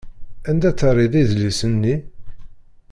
Anda terriḍ idlisen-nni?